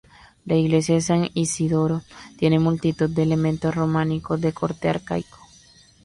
La Iglesia de San Isidoro tiene multitud de elementos románicos de corte arcaico.